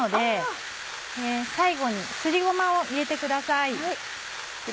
最後にすりごまを入れてください。